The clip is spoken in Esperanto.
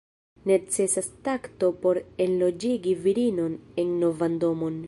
Necesas takto por enloĝigi virinon en novan domon.